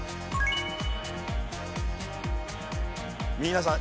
皆さん